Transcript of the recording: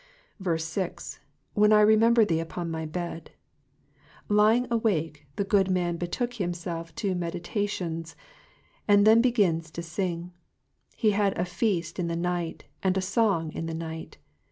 6. ''''When I remember thee upon my hed.'^^ Lying awake, the good man betook himself to meditation, and then began to sing. He had a feast in the night, and a song in the night.